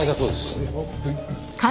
はい。